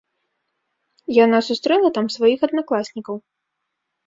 Яна сустрэла там сваіх аднакласнікаў.